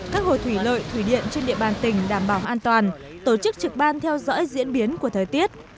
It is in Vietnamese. các hồ thủy lợi thủy điện trên địa bàn tỉnh đảm bảo an toàn tổ chức trực ban theo dõi diễn biến của thời tiết